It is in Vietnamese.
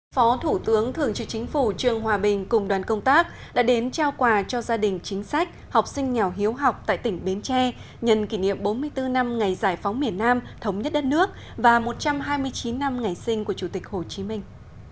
phó thủ tướng thường trực chính phủ trương hòa bình cùng đoàn công tác đã đến trao quà cho gia đình chính sách học sinh nghèo hiếu học tại tỉnh bến tre nhận kỷ niệm bốn mươi bốn năm ngày giải phóng miền nam thống nhất đất nước và một trăm hai mươi chín năm ngày sinh của chủ tịch hồ chí minh